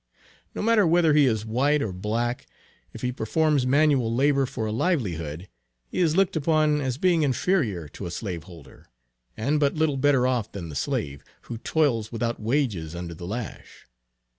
No matter whether he is white or black; if he performs manual labor for a livelihood, he is looked upon as being inferior to a slaveholder, and but little better off than the slave, who toils without wages under the lash.